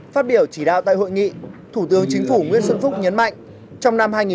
phát biểu chỉ đạo tại hội nghị thủ tướng chính phủ nguyễn xuân phúc nhấn mạnh